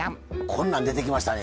こんなん出てきましたね。